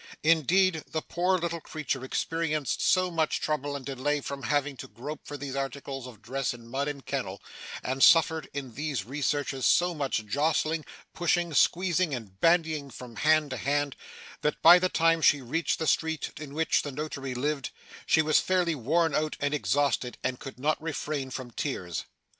Indeed, the poor little creature experienced so much trouble and delay from having to grope for these articles of dress in mud and kennel, and suffered in these researches so much jostling, pushing, squeezing and bandying from hand to hand, that by the time she reached the street in which the notary lived, she was fairly worn out and exhausted, and could not refrain from tears.